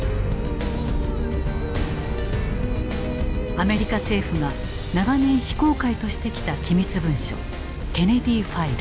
アメリカ政府が長年非公開としてきた機密文書「ケネディ・ファイル」。